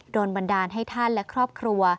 บันดาลให้ท่านและครอบครัว